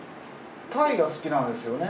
鯛が好きなんですよね？